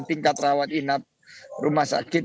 tingkat rawat inap rumah sakit